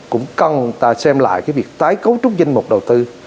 cũng cần xem lại cái việc tái cấu trúc danh mục đầu tư